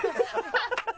ハハハハ！